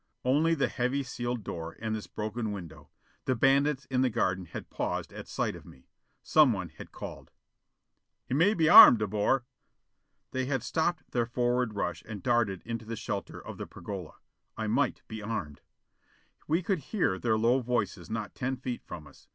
Only the heavy sealed door, and this broken window. The bandits in the garden had paused at sight of me. Someone had called. "He may be armed, De Boer." They had stopped their forward rush and darted into the shelter of the pergola. I might be armed! We could hear their low voices not ten feet from us.